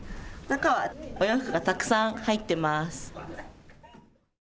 中は洋服がたくさん入っています。